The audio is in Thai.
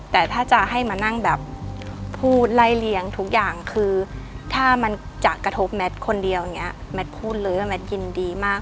แต่ถ้าจะให้มานั่งแบบพูดไล่เลี้ยงทุกอย่างคือถ้ามันจะกระทบแมทคนเดียวอย่างนี้แมทพูดเลยว่าแมทยินดีมาก